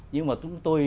nhưng mà tôi